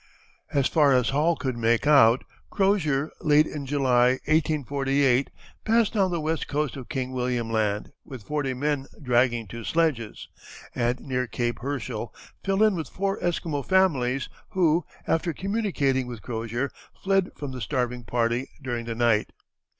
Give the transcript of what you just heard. As far as Hall could make out, Crozier, late in July, 1848, passed down the west coast of King William Land with forty men dragging two sledges, and near Cape Herschel fell in with four Esquimaux families, who, after communicating with Crozier, fled from the starving party during the night.